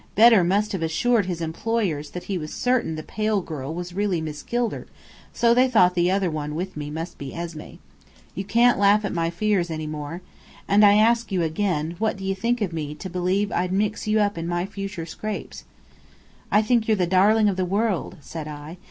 Bedr must have assured his employers that he was certain the pale girl was really Miss Gilder; so they thought the other one with me must be Esmé. You can't laugh at my fears any more! And I ask you again, what do you think of me, to believe I'd mix you up in my future scrapes?" "I think you're the darling of the world," said I.